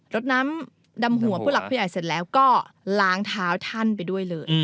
รถน้ำดำหัวผู้หลักผู้ใหญ่เสร็จแล้วก็ล้างเท้าท่านไปด้วยเลย